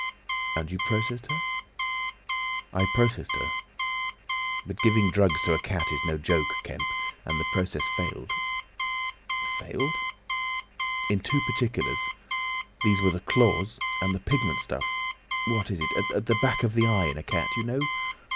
"And you processed her?" "I processed her. But giving drugs to a cat is no joke, Kemp! And the process failed." "Failed!" "In two particulars. These were the claws and the pigment stuff, what is it?—at the back of the eye in a cat. You know?"